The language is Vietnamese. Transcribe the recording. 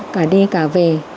cả đi cả về